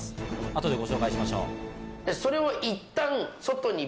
後でご紹介しましょう。